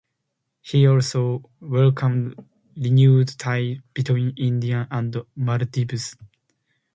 He also welcomed renewed ties between India and Maldives.